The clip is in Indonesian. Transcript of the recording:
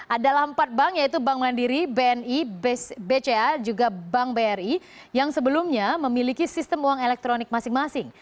adalah empat bank yaitu bank mandiri bni bca juga bank bri yang sebelumnya memiliki sistem uang elektronik masing masing